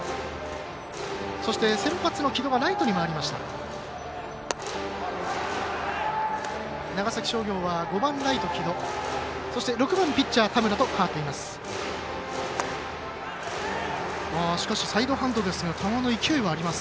そして、６番ピッチャー田村と代わっています。